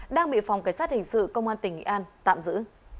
đang bị phòng cảnh sát hình sự công an tỉnh nghệ an tạm giữ